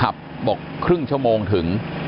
บอกครึ่งชั่วโมงถึง